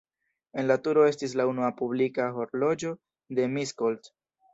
En la turo estis la unua publika horloĝo de Miskolc.